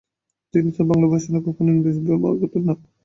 তিনি তার বাংলা ভাষণে কখনো ইংরাজী শব্দ ব্যবহার করতেন না।